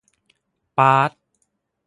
ป๊าด